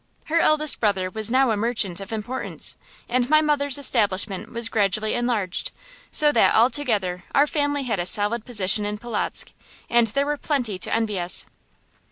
Her eldest brother was now a merchant of importance, and my mother's establishment was gradually enlarged; so that, altogether, our family had a solid position in Polotzk, and there were plenty to envy us.